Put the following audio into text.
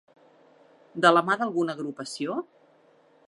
De la mà d'alguna agrupació?